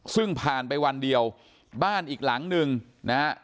ซึ่งผ่านไปวันเดียวบ้านอีกหลังหนึ่งนะฮะ